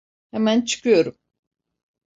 Hemen çıkıyorum.